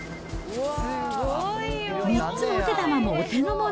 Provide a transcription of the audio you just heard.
３つのお手玉もお手のもの。